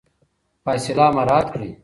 فاصله مراعات کړئ.